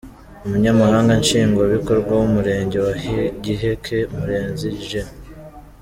Umunyamabanga nshingwabikorwa w’umurenge wa Giheke, Murenzi J.